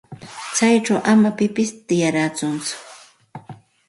Chayćhu ama pipis tiyachunchu.